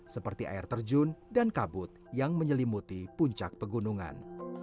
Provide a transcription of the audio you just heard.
seperti air terjun dan kabut yang menyelimuti puncak pegunungan